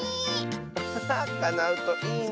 アハハかなうといいね。